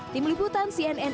tim liputan cnn